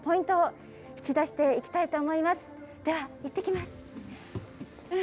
では、行ってきます！